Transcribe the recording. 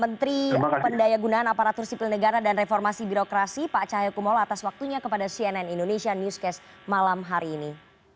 menteri pendaya gunaan aparatur sipil negara dan reformasi birokrasi pak cahaya kumolo atas waktunya kepada cnn indonesia newscast malam hari ini